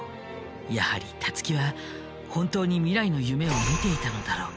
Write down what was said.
やはりたつきは本当に未来の夢を見ていたのだろうか。